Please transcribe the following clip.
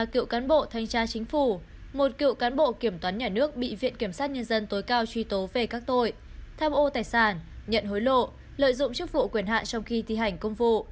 ba cựu cán bộ thanh tra chính phủ một cựu cán bộ kiểm toán nhà nước bị viện kiểm sát nhân dân tối cao truy tố về các tội tham ô tài sản nhận hối lộ lợi dụng chức vụ quyền hạn trong khi thi hành công vụ